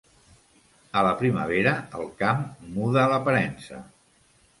A la primavera el camp muda l'aparença.